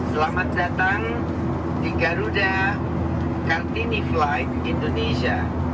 selamat datang di garuda kartini flight indonesia